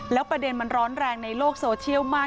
แล้วประเด็นมันร้อนแรงในโลกโซเชียลมาก